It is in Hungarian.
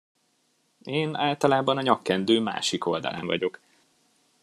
Én általában a nyakkendő másik oldalán vagyok.